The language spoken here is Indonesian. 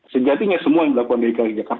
sejatinya semua yang dilakukan dari klhk